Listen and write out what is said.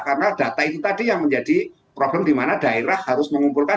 karena data itu tadi yang menjadi problem di mana daerah harus mengumpulkan